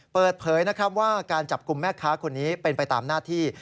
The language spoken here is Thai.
เปิดเผยนะครับว่าการจับกลุ่มแม่ค้าคนนี้เป็นไปตามหน้าที่